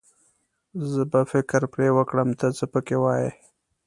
زه به فکر پرې وکړم، ته څه پکې وايې.